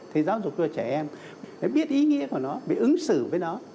thì giáo dục cho trẻ em phải biết ý nghĩa của nó bị ứng xử với nó